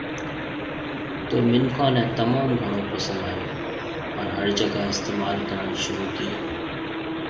تو منکون ني تموم گھڻو پسند آيو ھان ھر جگا استعمال ڪرڻ شروع ڪيئو